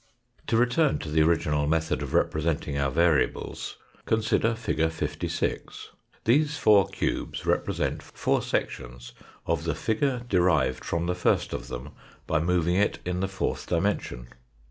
To return to the original method of representing our variables, consider fig. 56. These four cubes represent four sections of the figure derived from the first of them Fig. 5( :. by moving it in the fourth dimension.